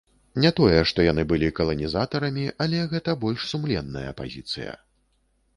Не тое, што яны былі каланізатарамі, але гэта больш сумленная пазіцыя.